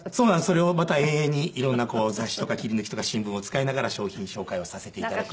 それをまた延々に色んな雑誌とか切り抜きとか新聞を使いながら商品紹介をさせて頂くという。